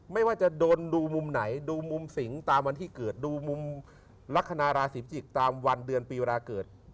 ไม่ว่าจะโดนดูมุมไหนดูมุมสิงตามวันที่เกิดดูมุมลักษณะราศีพิจิกษ์ตามวันเดือนปีเวลาเกิด